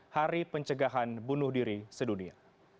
hari pencegahan bunuh diri sedunia